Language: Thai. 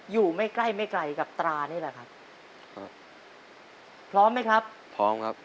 อยู่ไม่ใกล้ไม่ไกลกับตรานี่แหละครับครับพร้อมไหมครับพร้อมครับ